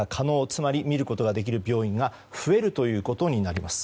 つまり、診ることができる病院が増えるということになります。